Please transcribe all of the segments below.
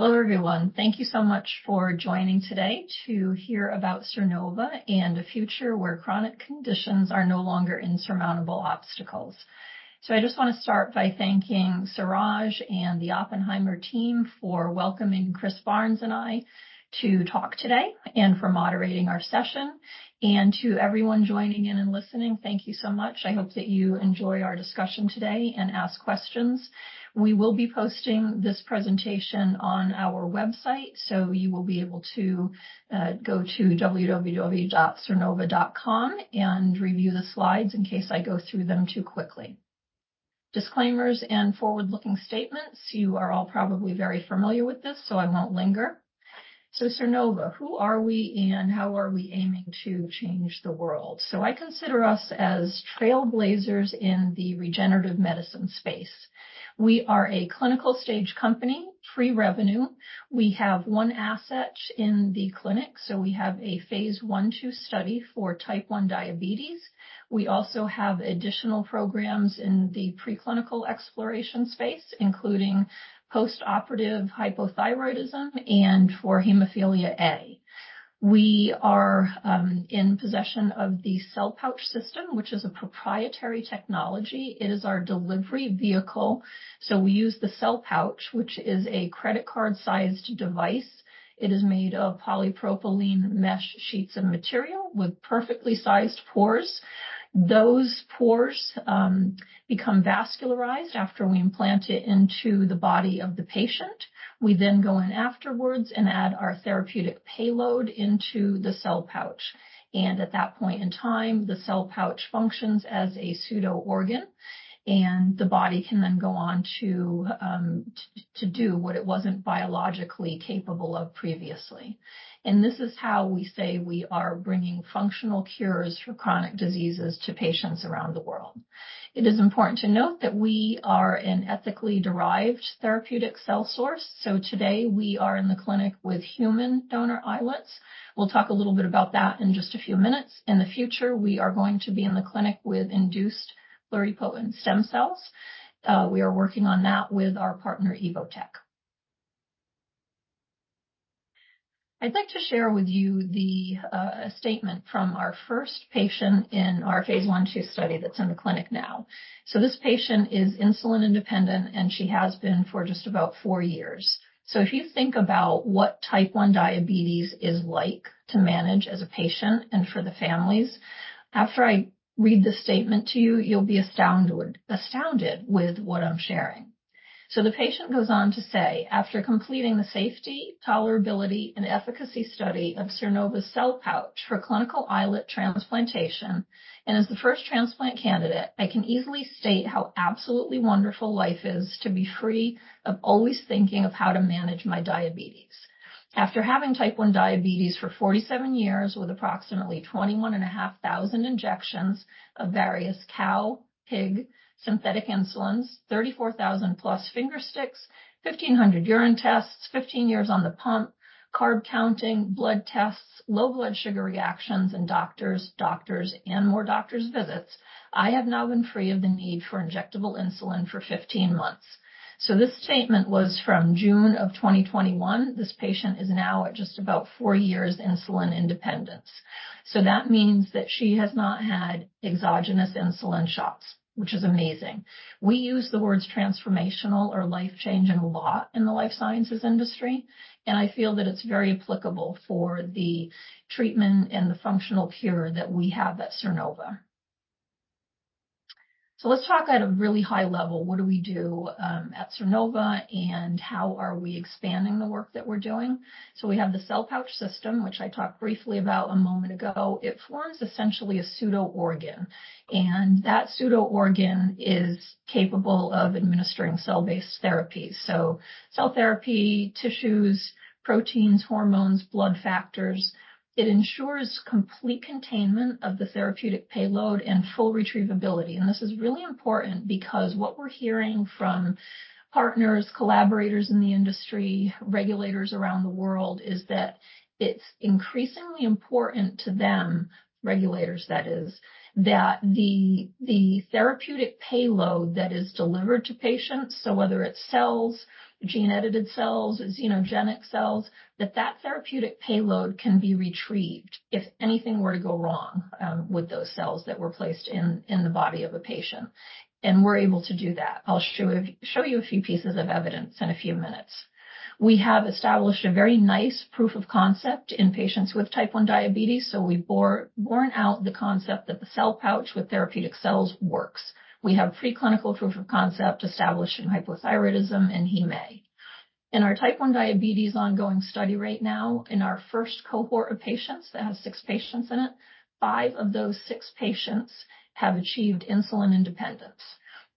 Hello everyone, thank you so much for joining today to hear about Sernova and a future where chronic conditions are no longer insurmountable obstacles. I just want to start by thanking Suraj and the Oppenheimer team for welcoming Chris Barnes and I to talk today, and for moderating our session. To everyone joining in and listening, thank you so much. I hope that you enjoy our discussion today and ask questions. We will be posting this presentation on our website, so you will be able to go to www.sernova.com and review the slides in case I go through them too quickly. Disclaimers and forward-looking statements: you are all probably very familiar with this, so I won't linger. Sernova, who are we and how are we aiming to change the world? I consider us as trailblazers in the regenerative medicine space. We are a clinical-stage company, pre-revenue. We have one asset in the clinic, so we have a phase I/II study for Type 1 diabetes. We also have additional programs in the preclinical exploration space, including postoperative hypothyroidism and for hemophilia A. We are in possession of the Cell Pouch System, which is a proprietary technology. It is our delivery vehicle. So we use the Cell Pouch, which is a credit card-sized device. It is made of polypropylene mesh sheets of material with perfectly sized pores. Those pores become vascularized after we implant it into the body of the patient. We then go in afterwards and add our therapeutic payload into the Cell Pouch. And at that point in time, the Cell Pouch functions as a pseudo organ, and the body can then go on to do what it wasn't biologically capable of previously. This is how we say we are bringing functional cures for chronic diseases to patients around the world. It is important to note that we are an ethically derived therapeutic cell source, so today we are in the clinic with human donor islets. We'll talk a little bit about that in just a few minutes. In the future, we are going to be in the clinic with induced pluripotent stem cells. We are working on that with our partner Evotec. I'd like to share with you the statement from our first patient in our phase I/II study that's in the clinic now. This patient is insulin-independent, and she has been for just about four years. So if you think about what Type 1 diabetes is like to manage as a patient and for the families, after I read the statement to you, you'll be astounded with what I'm sharing. So the patient goes on to say, "After completing the safety, tolerability, and efficacy study of Sernova Cell Pouch for clinical islet transplantation, and as the first transplant candidate, I can easily state how absolutely wonderful life is to be free of always thinking of how to manage my diabetes. After having Type 1 diabetes for 47 years with approximately 21,500 injections of various cow, pig, synthetic insulins, 34,000+ fingersticks, 1,500 urine tests, 15 years on the pump, carb counting, blood tests, low blood sugar reactions, and doctors, doctors, and more doctors' visits, I have now been free of the need for injectable insulin for 15 months." So this statement was from June of 2021. This patient is now at just about four years insulin independence. So that means that she has not had exogenous insulin shots, which is amazing. We use the words transformational or life-changing a lot in the life sciences industry, and I feel that it's very applicable for the treatment and the functional cure that we have at Sernova. So let's talk at a really high level. What do we do at Sernova, and how are we expanding the work that we're doing? So we have the Cell Pouch System, which I talked briefly about a moment ago. It forms essentially a pseudo organ, and that pseudo organ is capable of administering cell-based therapy. So cell therapy, tissues, proteins, hormones, blood factors, it ensures complete containment of the therapeutic payload and full retrievability. This is really important because what we're hearing from partners, collaborators in the industry, regulators around the world is that it's increasingly important to them, regulators, that is, that the therapeutic payload that is delivered to patients, so whether it's cells, gene-edited cells, xenogenic cells, that that therapeutic payload can be retrieved if anything were to go wrong with those cells that were placed in the body of a patient. And we're able to do that. I'll show you a few pieces of evidence in a few minutes. We have established a very nice proof of concept in patients with Type 1 diabetes, so we've borne out the concept that the Cell Pouch with therapeutic cells works. We have preclinical proof of concept established in hypothyroidism and HemA. In our Type 1 diabetes ongoing study right now, in our first cohort of patients—that has six patients in it—five of those six patients have achieved insulin independence.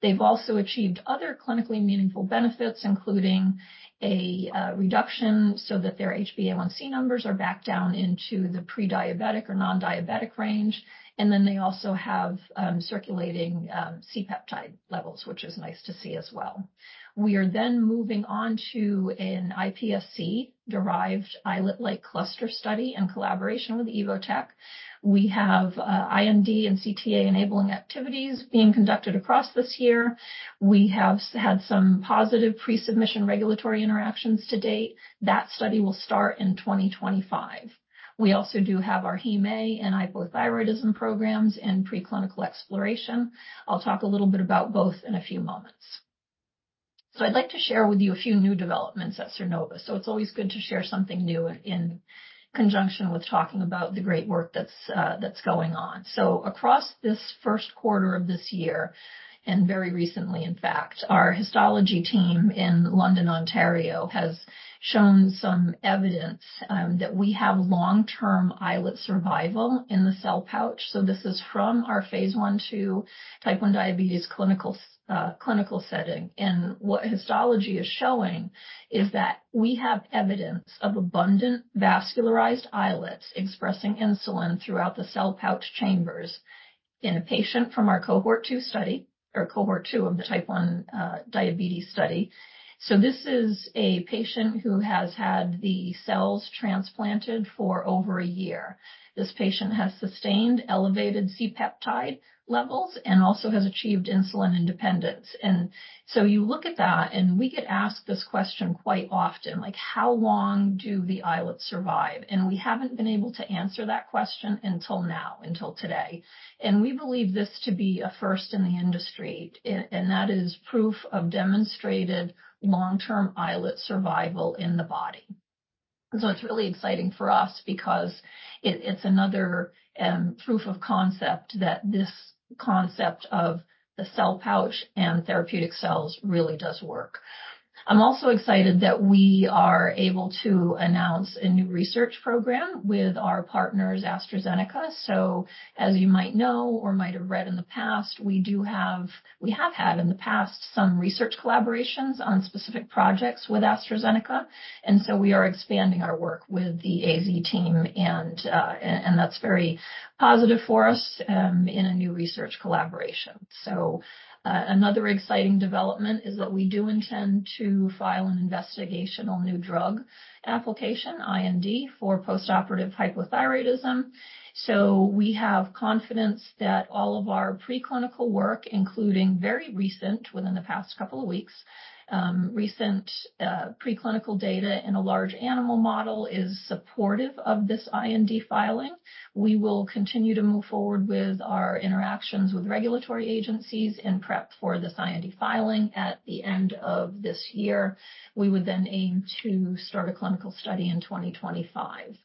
They've also achieved other clinically meaningful benefits, including a reduction so that their HbA1c numbers are back down into the prediabetic or nondiabetic range, and then they also have circulating C-peptide levels, which is nice to see as well. We are then moving on to an iPSC-derived islet-like cluster study in collaboration with Evotec. We have IND and CTA enabling activities being conducted across this year. We have had some positive pre-submission regulatory interactions to date. That study will start in 2025. We also do have our Hem A and hypothyroidism programs in preclinical exploration. I'll talk a little bit about both in a few moments. So I'd like to share with you a few new developments at Sernova. So it's always good to share something new in conjunction with talking about the great work that's going on. So across this first quarter of this year and very recently, in fact, our histology team in London, Ontario, has shown some evidence that we have long-term islet survival in the Cell Pouch. So this is from our phase I/II Type 1 diabetes clinical setting. And what histology is showing is that we have evidence of abundant vascularized islets expressing insulin throughout the Cell Pouch chambers in a patient from our Cohort 2 study or Cohort 2 of the Type 1 diabetes study. So this is a patient who has had the cells transplanted for over a year. This patient has sustained elevated C-peptide levels and also has achieved insulin independence. So you look at that, and we get asked this question quite often, like, "How long do the islets survive?" We haven't been able to answer that question until now, until today. We believe this to be a first in the industry, and that is proof of demonstrated long-term islet survival in the body. So it's really exciting for us because it's another proof of concept that this concept of the Cell Pouch and therapeutic cells really does work. I'm also excited that we are able to announce a new research program with our partners, AstraZeneca. So as you might know or might have read in the past, we do have—we have had in the past some research collaborations on specific projects with AstraZeneca, and so we are expanding our work with the AZ team, and that's very positive for us in a new research collaboration. So another exciting development is that we do intend to file an investigational new drug application, IND, for postoperative hypothyroidism. So we have confidence that all of our preclinical work, including very recent, within the past couple of weeks, recent preclinical data in a large animal model is supportive of this IND filing. We will continue to move forward with our interactions with regulatory agencies in prep for this IND filing at the end of this year. We would then aim to start a clinical study in 2025.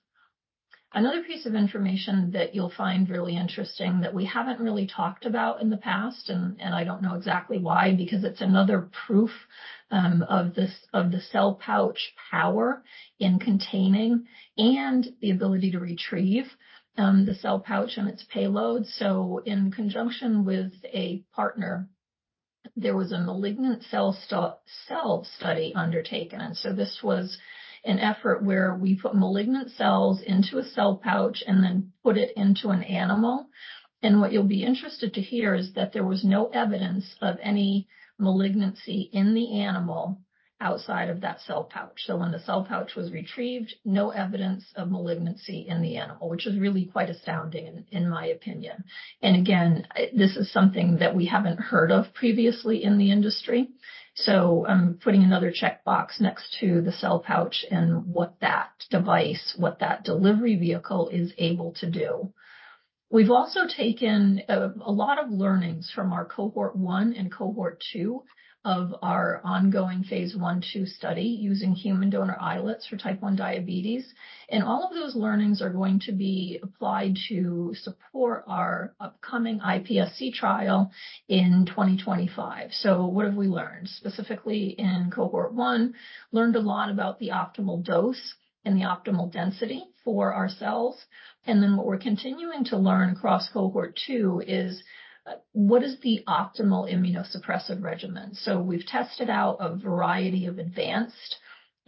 Another piece of information that you'll find really interesting that we haven't really talked about in the past, and I don't know exactly why, because it's another proof of the Cell Pouch power in containing and the ability to retrieve the Cell Pouch and its payload. So in conjunction with a partner, there was a malignant cell study undertaken. So this was an effort where we put malignant cells into a Cell Pouch and then put it into an animal. What you'll be interested to hear is that there was no evidence of any malignancy in the animal outside of that Cell Pouch. When the Cell Pouch was retrieved, no evidence of malignancy in the animal, which is really quite astounding, in my opinion. Again, this is something that we haven't heard of previously in the industry. So I'm putting another checkbox next to the Cell Pouch and what that device, what that delivery vehicle is able to do. We've also taken a lot of learnings from our Cohort 1 and Cohort 2 of our ongoing phase I/II study using human donor islets for Type 1 diabetes. All of those learnings are going to be applied to support our upcoming iPSC trial in 2025. So what have we learned? Specifically in Cohort 1, learned a lot about the optimal dose and the optimal density for our cells. And then what we're continuing to learn across Cohort 2 is what is the optimal immunosuppressive regimen? So we've tested out a variety of advanced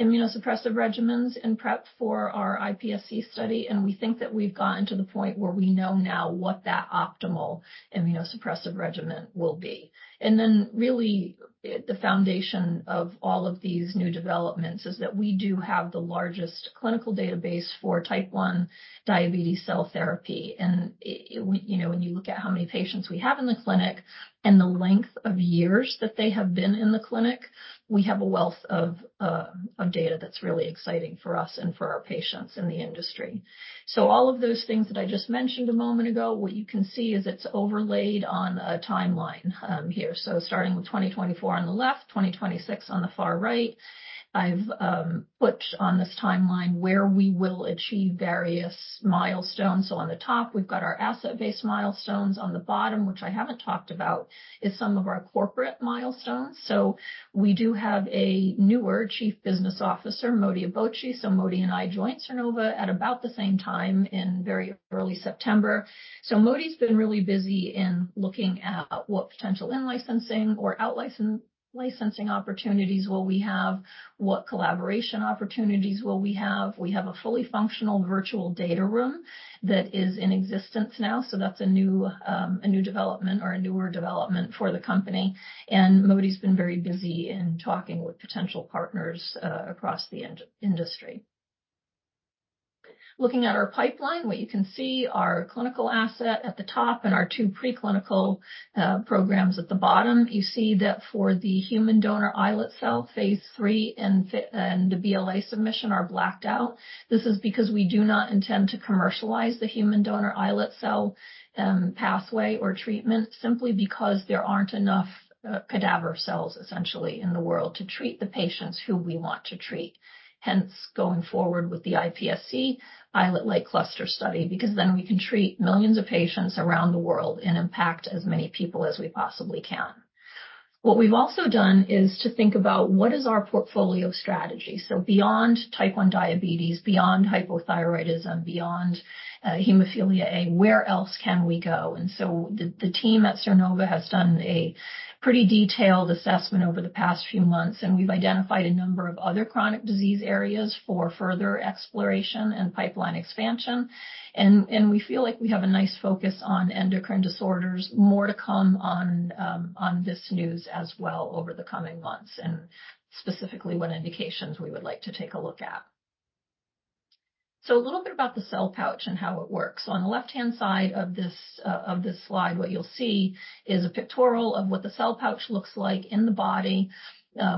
immunosuppressive regimens in prep for our iPSC study, and we think that we've gotten to the point where we know now what that optimal immunosuppressive regimen will be. And then really, the foundation of all of these new developments is that we do have the largest clinical database for Type 1 diabetes cell therapy. And when you look at how many patients we have in the clinic and the length of years that they have been in the clinic, we have a wealth of data that's really exciting for us and for our patients in the industry. So all of those things that I just mentioned a moment ago, what you can see is it's overlaid on a timeline here. So starting with 2024 on the left, 2026 on the far right, I've put on this timeline where we will achieve various milestones. So on the top, we've got our asset-based milestones. On the bottom, which I haven't talked about, is some of our corporate milestones. So we do have a newer Chief Business Officer, Modestus Obochi. So Modi and I joined Sernova at about the same time in very early September. So Modi's been really busy in looking at what potential in-licensing or out-licensing opportunities will we have, what collaboration opportunities will we have. We have a fully functional virtual data room that is in existence now, so that's a new development or a newer development for the company. Modi's been very busy in talking with potential partners across the industry. Looking at our pipeline, what you can see are clinical asset at the top and our two preclinical programs at the bottom. You see that for the human donor islet cell, phase III and the BLA submission are blacked out. This is because we do not intend to commercialize the human donor islet cell pathway or treatment simply because there aren't enough cadaver cells, essentially, in the world to treat the patients who we want to treat. Hence, going forward with the iPSC islet-like cluster study, because then we can treat millions of patients around the world and impact as many people as we possibly can. What we've also done is to think about what is our portfolio strategy. Beyond Type 1 diabetes, beyond hypothyroidism, beyond hemophilia A, where else can we go? And so the team at Sernova has done a pretty detailed assessment over the past few months, and we've identified a number of other chronic disease areas for further exploration and pipeline expansion. And we feel like we have a nice focus on endocrine disorders. More to come on this news as well over the coming months and specifically what indications we would like to take a look at. So a little bit about the Cell Pouch and how it works. So on the left-hand side of this slide, what you'll see is a pictorial of what the Cell Pouch looks like in the body.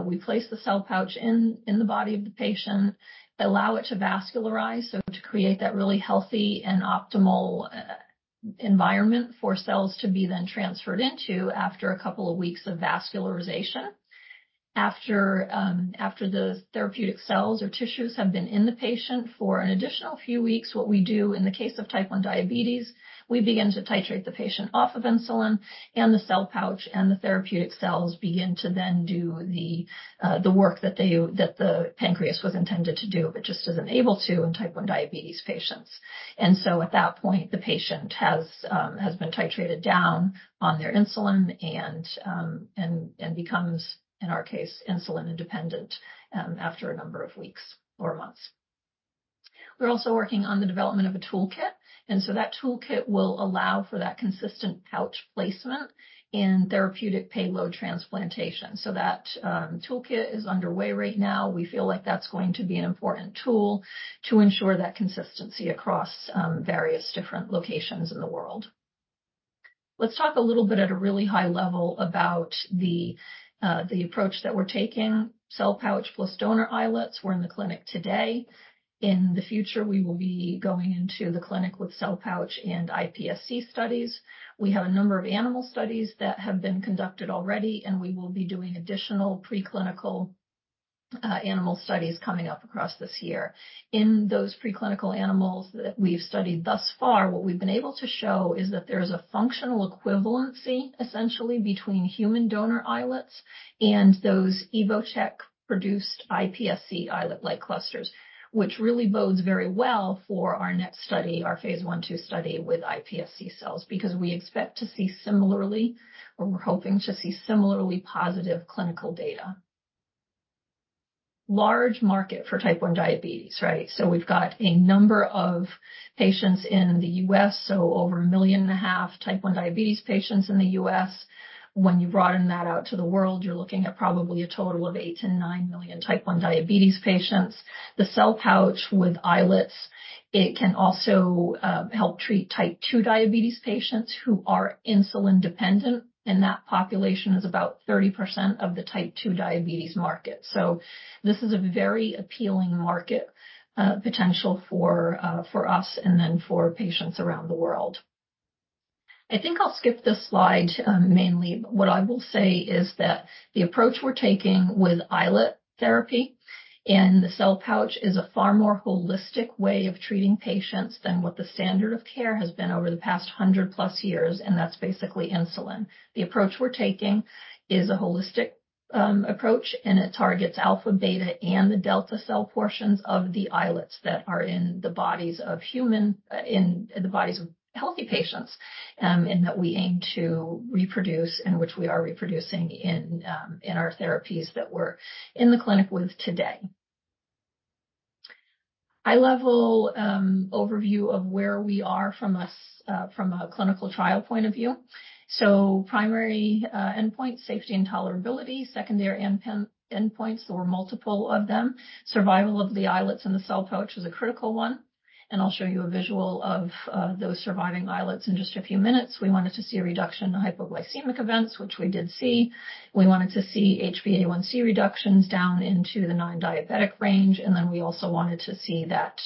We place the Cell Pouch in the body of the patient, allow it to vascularize, so to create that really healthy and optimal environment for cells to be then transferred into after a couple of weeks of vascularization. After the therapeutic cells or tissues have been in the patient for an additional few weeks, what we do in the case of Type 1 diabetes, we begin to titrate the patient off of insulin, and the Cell Pouch and the therapeutic cells begin to then do the work that the pancreas was intended to do, but just isn't able to in Type 1 diabetes patients. And so at that point, the patient has been titrated down on their insulin and becomes, in our case, insulin independent after a number of weeks or months. We're also working on the development of a toolkit, and so that toolkit will allow for that consistent pouch placement in therapeutic payload transplantation. So that toolkit is underway right now. We feel like that's going to be an important tool to ensure that consistency across various different locations in the world. Let's talk a little bit at a really high level about the approach that we're taking: Cell Pouch plus donor islets. We're in the clinic today. In the future, we will be going into the clinic with Cell Pouch and iPSC studies. We have a number of animal studies that have been conducted already, and we will be doing additional preclinical animal studies coming up across this year. In those preclinical animals that we've studied thus far, what we've been able to show is that there is a functional equivalency, essentially, between human donor islets and those Evotec-produced iPSC islet-like clusters, which really bodes very well for our next study, our phase I/II study with iPSC cells, because we expect to see similarly, or we're hoping to see similarly positive clinical data. Large market for Type 1 diabetes, right? So we've got a number of patients in the U.S., so over 1.5 million Type 1 diabetes patients in the U.S. When you broaden that out to the world, you're looking at probably a total of 8-9 million Type 1 diabetes patients. The Cell Pouch with islets, it can also help treat Type 2 diabetes patients who are insulin dependent, and that population is about 30% of the Type 2 diabetes market. So this is a very appealing market potential for us and then for patients around the world. I think I'll skip this slide mainly. What I will say is that the approach we're taking with islet therapy and the Cell Pouch is a far more holistic way of treating patients than what the standard of care has been over the past 100+ years, and that's basically insulin. The approach we're taking is a holistic approach, and it targets alpha, beta, and the delta cell portions of the islets that are in the bodies of healthy patients and that we aim to reproduce and which we are reproducing in our therapies that we're in the clinic with today. High-level overview of where we are from a clinical trial point of view. So primary endpoints, safety and tolerability. Secondary endpoints, there were multiple of them. Survival of the islets in the Cell Pouch was a critical one, and I'll show you a visual of those surviving islets in just a few minutes. We wanted to see a reduction in hypoglycemic events, which we did see. We wanted to see HbA1c reductions down into the non-diabetic range, and then we also wanted to see that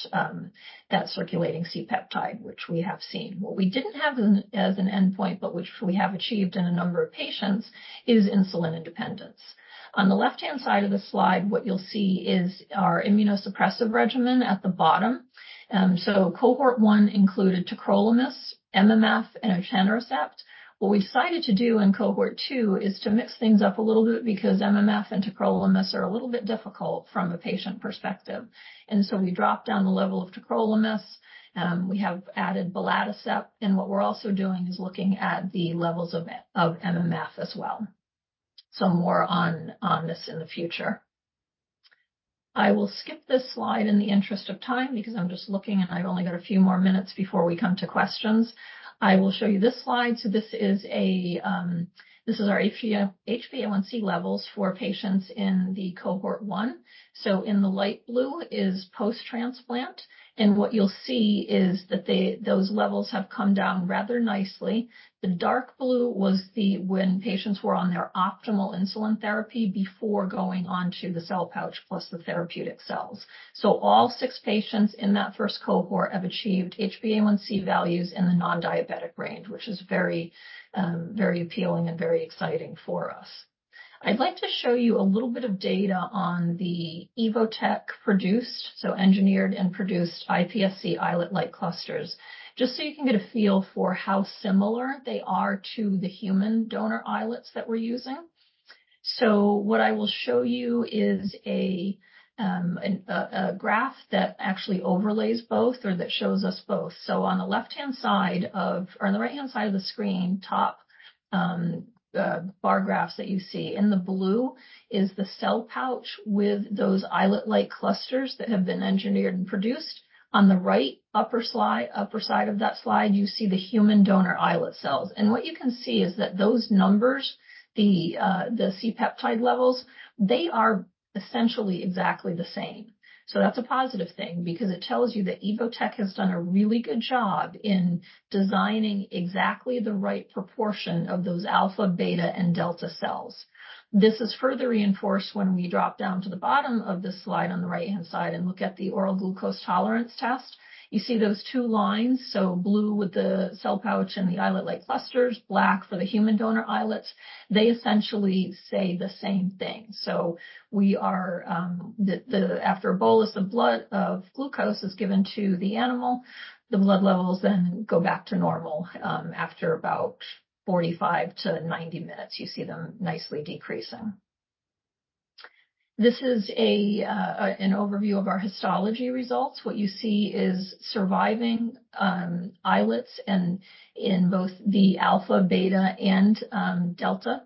circulating C-peptide, which we have seen. What we didn't have as an endpoint, but which we have achieved in a number of patients, is insulin independence. On the left-hand side of the slide, what you'll see is our immunosuppressive regimen at the bottom. Cohort 1 included tacrolimus, MMF, and abatacept. What we decided to do in Cohort 2 is to mix things up a little bit because MMF and tacrolimus are a little bit difficult from a patient perspective. So we dropped down the level of tacrolimus. We have added belatacept, and what we're also doing is looking at the levels of MMF as well. So more on this in the future. I will skip this slide in the interest of time because I'm just looking, and I've only got a few more minutes before we come to questions. I will show you this slide. So this is our HbA1c levels for patients in the Cohort 1. So in the light blue is post-transplant, and what you'll see is that those levels have come down rather nicely. The dark blue was when patients were on their optimal insulin therapy before going on to the Cell Pouch plus the therapeutic cells. So all six patients in that first cohort have achieved HbA1c values in the non-diabetic range, which is very, very appealing and very exciting for us. I'd like to show you a little bit of data on the Evotec-produced, so engineered and produced iPSC islet-like clusters, just so you can get a feel for how similar they are to the human donor islets that we're using. So what I will show you is a graph that actually overlays both or that shows us both. So on the left-hand side of or on the right-hand side of the screen, top bar graphs that you see, in the blue is the Cell Pouch with those islet-like clusters that have been engineered and produced. On the right upper side of that slide, you see the human donor islet cells. And what you can see is that those numbers, the C-peptide levels, they are essentially exactly the same. So that's a positive thing because it tells you that Evotec has done a really good job in designing exactly the right proportion of those alpha, beta, and delta cells. This is further reinforced when we drop down to the bottom of this slide on the right-hand side and look at the oral glucose tolerance test. You see those two lines, so blue with the Cell Pouch and the islet-like clusters, black for the human donor islets. They essentially say the same thing. So, after a bolus of blood glucose is given to the animal, the blood levels then go back to normal after about 45-90 minutes. You see them nicely decreasing. This is an overview of our histology results. What you see is surviving islets in both the alpha, beta, and delta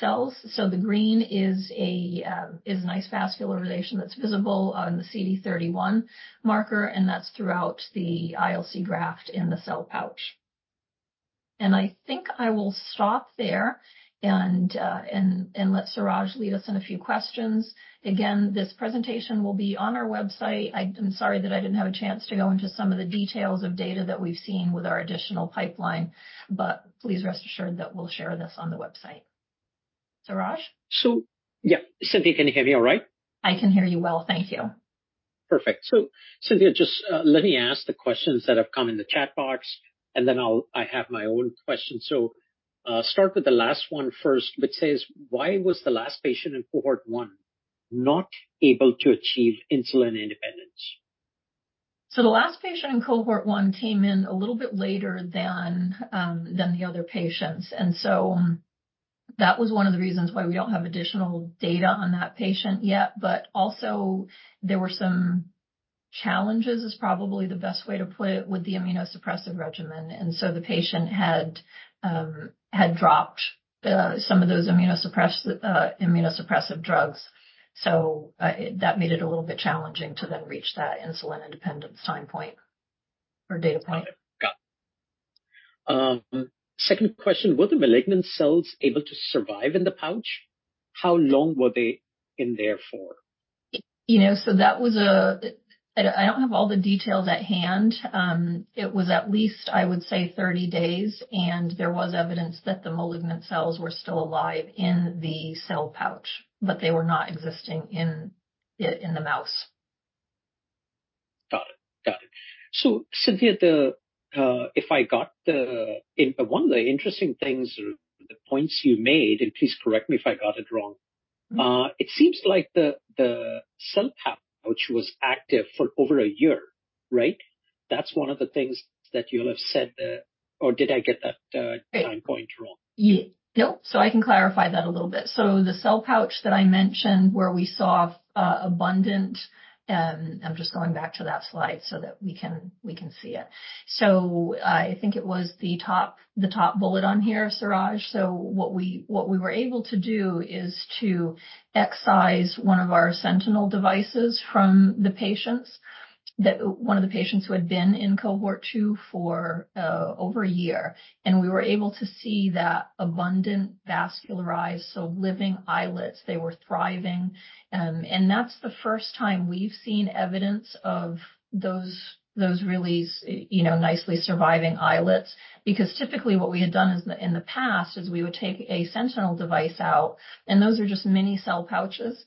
cells. So the green is a nice vascularization that's visible on the CD31 marker, and that's throughout the ILC graft in the Cell Pouch. And I think I will stop there and let Suraj lead us in a few questions. Again, this presentation will be on our website. I'm sorry that I didn't have a chance to go into some of the details of data that we've seen with our additional pipeline, but please rest assured that we'll share this on the website. Suraj? So yeah. Cynthia, can you hear me all right? I can hear you well. Thank you. Perfect. So Cynthia, just let me ask the questions that have come in the chat box, and then I'll have my own questions. So start with the last one first, which says, "Why was the last patient in Cohort 1 not able to achieve insulin independence? So the last patient in Cohort 1 came in a little bit later than the other patients, and so that was one of the reasons why we don't have additional data on that patient yet. But also, there were some challenges, is probably the best way to put it, with the immunosuppressive regimen. And so the patient had dropped some of those immunosuppressive drugs, so that made it a little bit challenging to then reach that insulin independence time point or data point. Got it. Got it. Second question, "Were the malignant cells able to survive in the pouch? How long were they in there for? That was, I don't have all the details at hand. It was at least, I would say, 30 days, and there was evidence that the malignant cells were still alive in the Cell Pouch, but they were not existing in the mouse. Got it. Got it. So Cynthia, if I got the one of the interesting things, the points you made, and please correct me if I got it wrong, it seems like the Cell Pouch was active for over a year, right? That's one of the things that you'll have said, or did I get that time point wrong? Nope. So I can clarify that a little bit. So the Cell Pouch that I mentioned where we saw abundant, I'm just going back to that slide so that we can see it. So I think it was the top bullet on here, Suraj. So what we were able to do is to excise one of our Sentinel devices from the patients, one of the patients who had been in Cohort 2 for over a year. And we were able to see that abundant vascularized, so living islets. They were thriving. And that's the first time we've seen evidence of those really nicely surviving islets because typically what we had done in the past is we would take a Sentinel device out, and those are just mini Cell Pouches.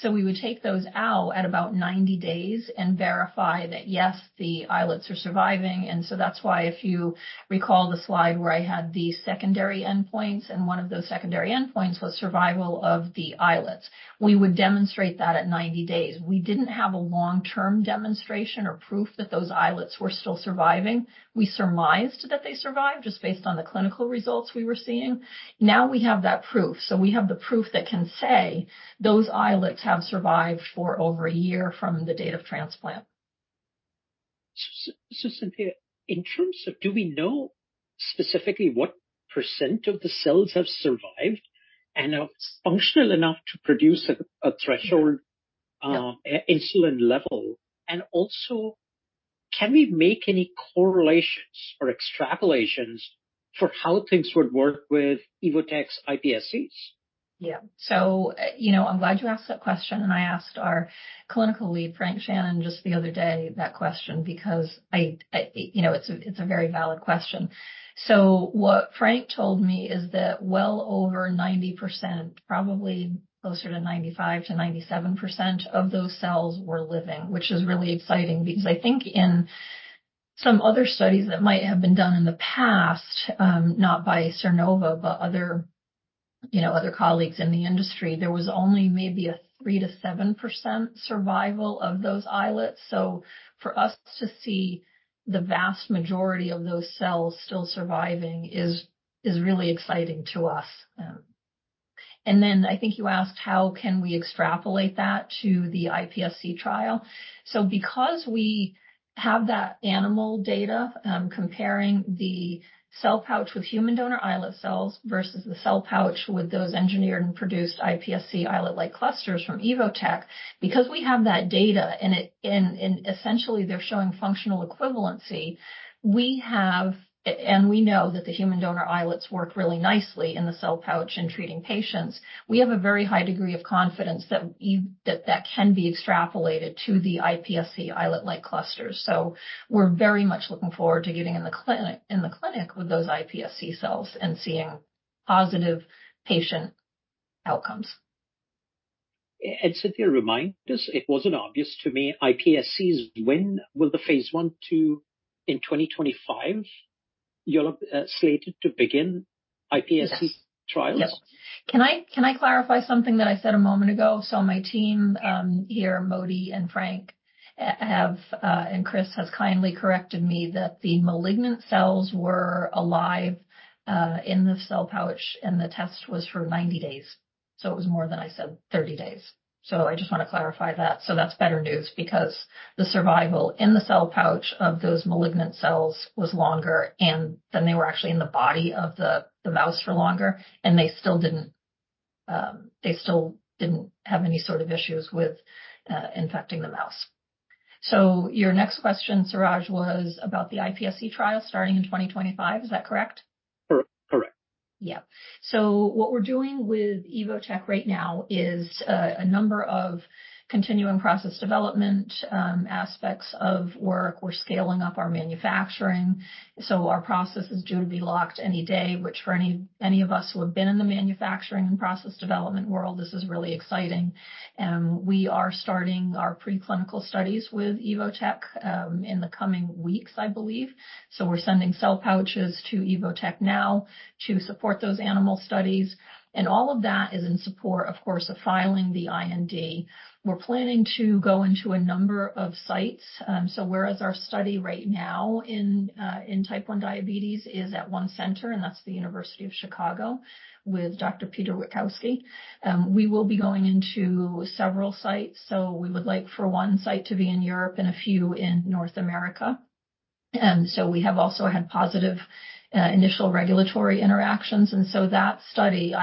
So we would take those out at about 90 days and verify that, yes, the islets are surviving. And so that's why, if you recall the slide where I had the secondary endpoints, and one of those secondary endpoints was survival of the islets, we would demonstrate that at 90 days. We didn't have a long-term demonstration or proof that those islets were still surviving. We surmised that they survived just based on the clinical results we were seeing. Now we have that proof. So we have the proof that can say those islets have survived for over a year from the date of transplant. So Cynthia, in terms of do we know specifically what percent of the cells have survived and are functional enough to produce a threshold insulin level? And also, can we make any correlations or extrapolations for how things would work with Evotec's iPSCs? Yeah. So I'm glad you asked that question, and I asked our clinical lead, Frank Shannon, just the other day that question because it's a very valid question. So what Frank told me is that well over 90%, probably closer to 95%-97% of those cells were living, which is really exciting because I think in some other studies that might have been done in the past, not by Sernova but other colleagues in the industry, there was only maybe a 3%-7% survival of those islets. So for us to see the vast majority of those cells still surviving is really exciting to us. And then I think you asked, "How can we extrapolate that to the iPSC trial?" So because we have that animal data comparing the Cell Pouch with human donor islet cells versus the Cell Pouch with those engineered and produced iPSC islet-like clusters from Evotec, because we have that data, and essentially they're showing functional equivalency, and we know that the human donor islets work really nicely in the Cell Pouch in treating patients, we have a very high degree of confidence that that can be extrapolated to the iPSC islet-like clusters. So we're very much looking forward to getting in the clinic with those iPSC cells and seeing positive patient outcomes. Cynthia, remind us, it wasn't obvious to me, iPSCs, when will the phase I/II in 2025 you're slated to begin iPSC trials? Yes. Can I clarify something that I said a moment ago? So my team here, Modi and Frank, and Chris has kindly corrected me that the malignant cells were alive in the Cell Pouch, and the test was for 90 days. So it was more than I said, 30 days. So I just want to clarify that. So that's better news because the survival in the Cell Pouch of those malignant cells was longer, and then they were actually in the body of the mouse for longer, and they still didn't have any sort of issues with infecting the mouse. So your next question, Suraj, was about the iPSC trial starting in 2025. Is that correct? Correct. Yeah. So what we're doing with Evotec right now is a number of continuing process development aspects of work. We're scaling up our manufacturing. So our process is due to be locked any day, which for any of us who have been in the manufacturing and process development world, this is really exciting. We are starting our preclinical studies with Evotec in the coming weeks, I believe. So we're sending Cell Pouches to Evotec now to support those animal studies. And all of that is in support, of course, of filing the IND. We're planning to go into a number of sites. So whereas our study right now in Type 1 diabetes is at one center, and that's the University of Chicago with Dr. Piotr Witkowski, we will be going into several sites. So we would like for one site to be in Europe and a few in North America. We have also had positive initial regulatory interactions. So that study,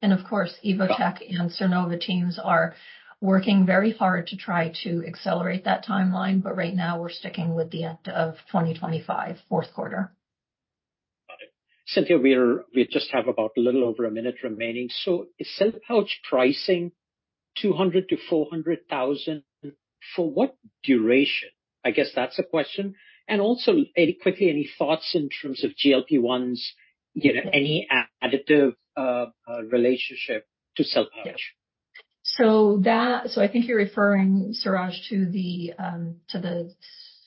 iPSC study, is anticipated to start at the end of 2025. Of course, Evotec and Sernova teams are working very hard to try to accelerate that timeline, but right now we're sticking with the end of 2025, fourth quarter. Got it. Cynthia, we just have about a little over a minute remaining. So Cell Pouch pricing, $200,000-$400,000, for what duration? I guess that's a question. And also quickly, any thoughts in terms of GLP-1s, any additive relationship to Cell Pouch? Yeah. So I think you're referring, Suraj, to the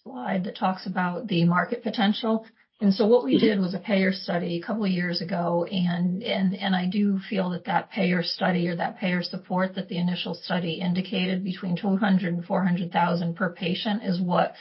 slide that talks about the market potential. So what we did was a payer study a couple of years ago, and I do feel that that payer study or that payer support that the initial study indicated between $200,000-$400,000 per patient is what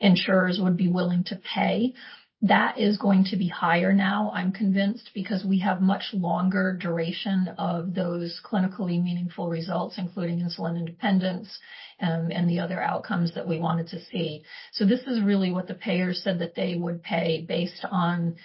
insurers would be willing to pay. That is going to be higher now, I'm convinced, because we have much longer duration of those clinically meaningful results, including insulin independence and the other outcomes that we wanted to see. So this is really what the payers said that they would pay based on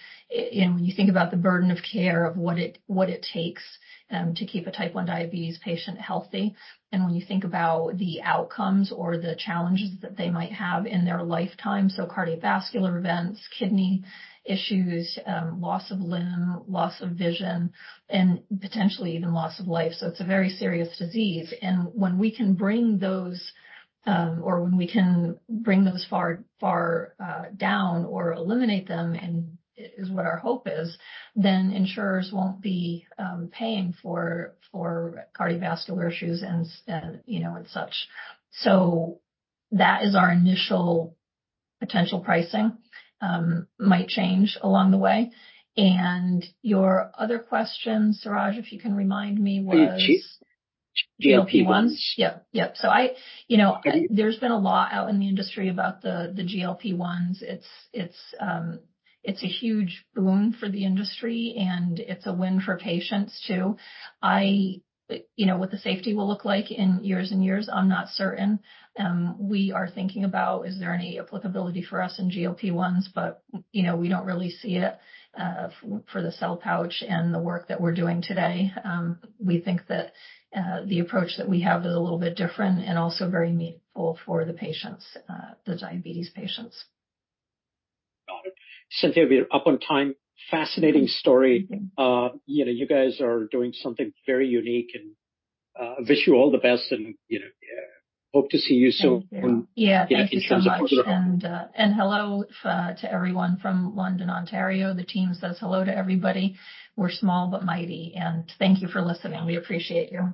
when you think about the burden of care of what it takes to keep a Type 1 diabetes patient healthy, and when you think about the outcomes or the challenges that they might have in their lifetime, so cardiovascular events, kidney issues, loss of limb, loss of vision, and potentially even loss of life. So it's a very serious disease. And when we can bring those or when we can bring those far down or eliminate them, and is what our hope is, then insurers won't be paying for cardiovascular issues and such. So that is our initial potential pricing. Might change along the way. And your other question, Suraj, if you can remind me, was. GLP-1s? GLP-1s. Yep. Yep. So there's been a lot out in the industry about the GLP-1s. It's a huge boom for the industry, and it's a win for patients too. What the safety will look like in years and years, I'm not certain. We are thinking about, is there any applicability for us in GLP-1s, but we don't really see it for the Cell Pouch and the work that we're doing today. We think that the approach that we have is a little bit different and also very meaningful for the patients, the diabetes patients. Got it. Cynthia, we're up on time. Fascinating story. You guys are doing something very unique, and I wish you all the best and hope to see you soon. Thank you. Yeah. Thanks, Suraj. Hello to everyone from London, Ontario. The team says hello to everybody. We're small but mighty. Thank you for listening. We appreciate you.